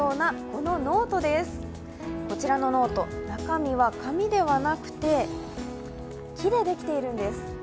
こちらのノート、中身は紙ではなくて木でできているんです。